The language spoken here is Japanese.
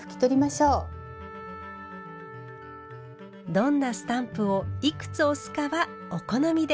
どんなスタンプをいくつ押すかはお好みで。